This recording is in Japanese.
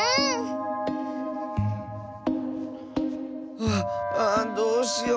あっああどうしよう。